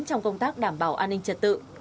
trong công tác đảm bảo an ninh trật tự